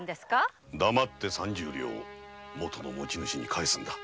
黙って三十両元の持ち主に返すのだ。